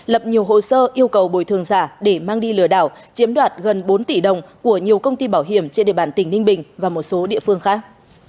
lập nhiều hồ sơ yêu cầu bồi thường giả để mang đi lừa đảo chiếm đoạt gần bốn tỷ đồng của nhiều công ty bảo hiểm trên địa bàn tỉnh ninh bình và một số địa phương khác